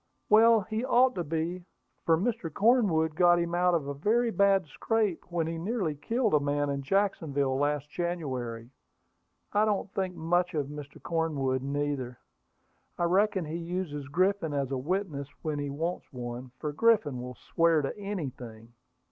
"Well, he ought to be; for Mr. Cornwood got him out of a very bad scrape when he nearly killed a man in Jacksonville last January. I don't think much of Mr. Cornwood, neither. I reckon he uses Griffin as a witness when he wants one, for Griffin will swear to anything."